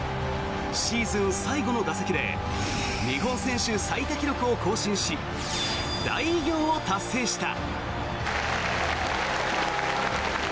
シーズン最後の打席で日本選手最多記録を更新し大偉業を達成した。